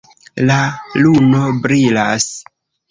La luno brilas.